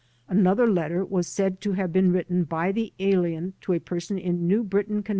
Another letter was said to have been written by the alien to a person in New Britain, Conn.